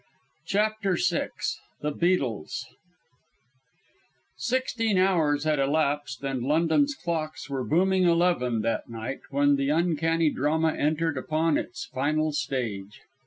CHAPTER VI THE BEETLES Sixteen hours had elapsed and London's clocks were booming eleven that night, when the uncanny drama entered upon its final stage.